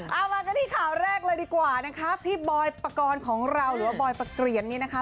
เอามากันที่ข่าวแรกเลยดีกว่านะคะพี่บอยปกรณ์ของเราหรือว่าบอยปะเกลียนเนี่ยนะคะ